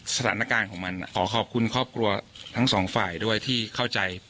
สถานการณ์ของมันขอขอบคุณครอบครัวทั้งสองฝ่ายด้วยที่เข้าใจ